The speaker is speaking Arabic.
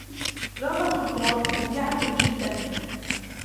لعبة الغولف ممتعة جدا.